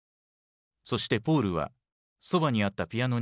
そしてポールはそばにあったピアノに向かい歌いだした。